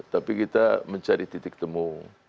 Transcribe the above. tapi kita mencari titik temu